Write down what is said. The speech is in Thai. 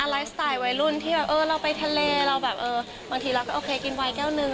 ไลฟ์สไตล์วัยรุ่นที่เราไปทะเลบางทีเราก็โอเคกินไวน์แก้วหนึ่ง